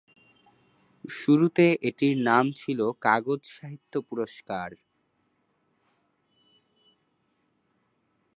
শুরুতে এটির নাম ছিলো কাগজ সাহিত্য পুরস্কার।